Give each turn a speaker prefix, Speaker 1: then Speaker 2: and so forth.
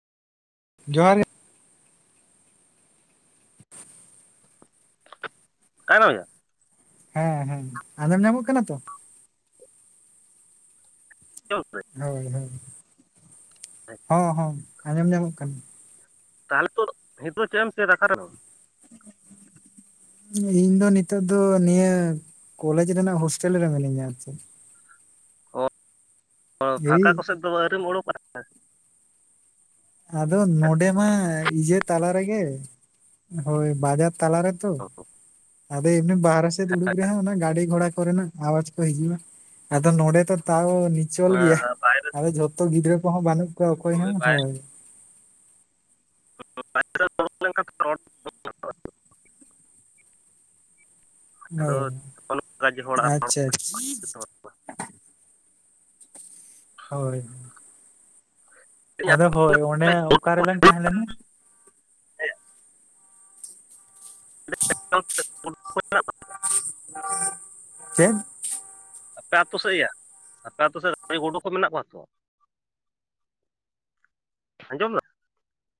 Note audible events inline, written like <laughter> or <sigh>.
Speaker 1: ᱡᱚᱦᱟᱨ
Speaker 2: ᱚᱠᱟᱭ ᱱᱟᱢ ᱭᱟ᱾
Speaker 1: ᱦᱮᱸ ᱦᱮᱸ ᱟᱫᱚᱢ ᱧᱟᱢᱚᱜ ᱠᱟᱱᱟ ᱛᱚ?
Speaker 2: <unintelligible>
Speaker 1: ᱦᱳᱭ ᱦᱳᱭ ᱦᱚᱸ ᱦᱚᱸ ᱟᱸᱡᱚᱢ ᱱᱟᱢᱚᱜ ᱠᱟᱱ᱾
Speaker 2: ᱛᱟᱦᱚᱞᱮ ᱛᱚ ᱦᱤᱛᱳᱜ ᱪᱮ ᱮᱢ ᱪᱮᱫᱟᱠᱟ ᱫᱚ
Speaker 1: ᱤᱧ ᱫᱚ ᱱᱤᱛᱚᱜ ᱫᱚ ᱱᱤᱭᱟᱹ ᱠᱚᱞᱮᱡᱽ ᱨᱮᱱᱟᱜ ᱦᱳᱥᱴᱮᱞ ᱨᱮ ᱢᱤᱱᱟᱹᱧᱟ ᱟᱪᱮ᱾
Speaker 2: ᱠᱚ, ᱚ
Speaker 1: ᱮᱭ
Speaker 2: ᱯᱷᱟᱠᱟ ᱠᱚᱥᱮᱜ ᱫᱚᱵᱚ ᱟᱹᱣᱨᱤᱢ ᱚᱰᱳᱠᱚᱼᱟ?
Speaker 1: ᱟᱫᱚ ᱱᱚᱰᱮ ᱢᱟ ᱤᱡᱟᱹ ᱛᱟᱞᱟ ᱨᱮᱜᱮ ᱦᱳᱭ ᱵᱟᱡᱟᱨ ᱛᱟᱞᱟᱨᱮ ᱫᱚ, ᱟᱫᱚ ᱮᱢᱱᱤ ᱵᱟᱦᱨᱮ ᱥᱮᱜ ᱫᱩᱲᱩᱵ ᱨᱮᱦᱚᱸ ᱚᱱᱟ ᱜᱟᱰᱮ ᱜᱷᱚᱲᱟ ᱠᱚᱨᱮᱱᱟᱜ ᱟᱣᱟᱪ ᱠᱚ ᱦᱤᱡᱩ, ᱟᱫᱚ ᱱᱚᱰᱮ ᱛᱚ ᱛᱟᱣ ᱱᱤᱪᱚᱞ ᱜᱮᱭᱟ
Speaker 2: ᱦᱮᱸ ᱵᱟᱭᱨᱮ
Speaker 1: ᱟᱫᱚ ᱡᱷᱚ ᱛᱚ ᱜᱤᱫᱽᱨᱟᱹ ᱠᱚᱦᱚᱸ ᱵᱟᱱᱩᱜ ᱠᱚᱣᱟ ᱚᱠᱚᱭ ᱦᱚ, ᱦᱳᱭ᱾
Speaker 2: <unintelligible> ᱟᱫᱚ
Speaker 1: ᱚ
Speaker 2: ᱜᱟᱡᱮ ᱦᱚᱲᱟᱜ
Speaker 1: ᱟᱪᱪᱷᱟ ᱟᱪ ᱦᱳᱭ᱾ ᱟᱫᱚ ᱦᱳᱭ ᱚᱰᱮ ᱚᱠᱟ ᱨᱮᱞᱟᱝ ᱛᱟᱦᱮᱸ ᱞᱮᱱᱟ?
Speaker 2: <inaudible>
Speaker 1: ᱪᱮᱫ?
Speaker 2: ᱟᱯᱮ ᱟᱛᱳ ᱥᱮᱜ ᱭᱟ, ᱟᱯᱮ ᱟᱛᱳ ᱥᱮᱜ <inaudible> ᱜᱳᱰᱳ ᱠᱚ ᱢᱮᱱᱟᱜ ᱠᱚᱣᱟ ᱛᱚ? ᱟᱸᱡᱚᱢ ᱫᱟ